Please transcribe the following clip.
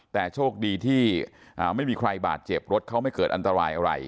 แต่โชคดีที่ไม่มีใครบาดเจ็บรถเขาไม่เกิดอันตรายอะไร